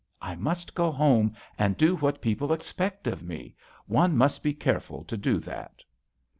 " I must go home and do what people expect of me ; one must be care ful to do that."